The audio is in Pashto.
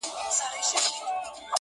o دا جاهل او دا کم ذاته دا کم اصله,